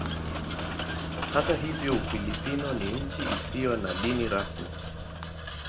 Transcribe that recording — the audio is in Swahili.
Hata hivyo Ufilipino ni nchi isiyo na dini rasmi.